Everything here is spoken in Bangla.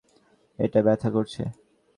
এটা ব্যাথা করছে?